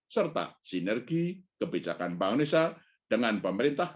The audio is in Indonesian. serta sinergi kebijakan bank indonesia dengan pemerintah